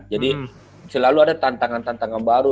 jadi selalu ada tantangan tantangan baru